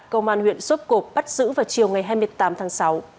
công an huyện sốp cộp bắt giữ vào chiều ngày hai mươi tám tháng sáu